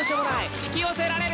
引き寄せられる。